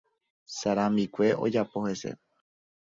Sarambikue ojapo hese